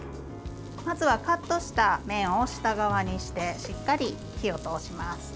まずはカットした面を下側にしてしっかり火を通します。